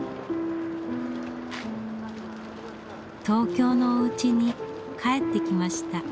東京のおうちに帰ってきました。